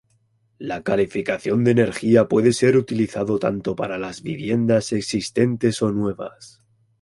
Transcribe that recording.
La calificación de energía puede ser utilizado tanto para las viviendas existentes o nuevas.